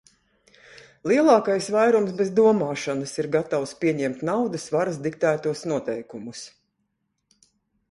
Lielākais vairums bez domāšanas ir gatavs pieņemt naudas varas diktētos noteikumus.